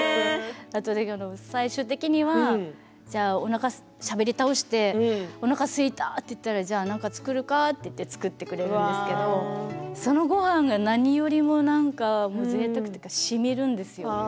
最終的にはしゃべり倒しておなかがすいたと言ったらじゃあ何か作るかと言って作ってくれますけどそのごはんが何よりもぜいたくというかしみるんですよ。